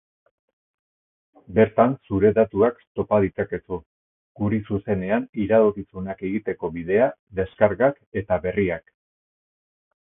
Bertan zure datuak topa ditzakezu, guri zuzenean iradokizunak egiteko bidea, deskargak eta berriak.